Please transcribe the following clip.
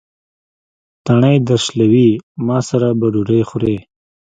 تڼۍ درشلوي: ما سره به ډوډۍ خورې.